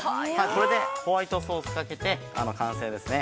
◆これでホワイトソースをかけて完成ですね。